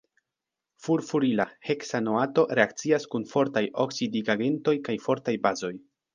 Furfurila heksanoato reakcias kun fortaj oksidigagentoj kaj fortaj bazoj.